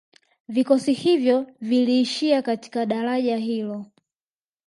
Vikosi hivyo viliishia katika daraja hilo